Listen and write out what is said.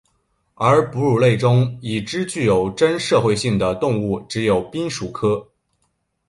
而哺乳类中已知具有真社会性的动物只有滨鼠科。